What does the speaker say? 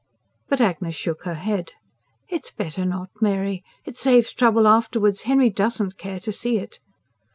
But Agnes shook her head. "It's better not, Mary. It saves trouble afterwards. Henry DOESN'T care to see it."